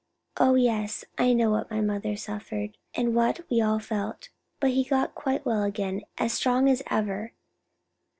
Oh, yes, I know what my mother suffered, and what we all felt; but he got quite well again, as strong as ever.